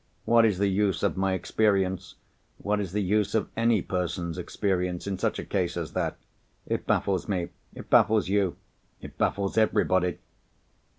What is the use of my experience, what is the use of any person's experience, in such a case as that? It baffles me; it baffles you, it baffles everybody."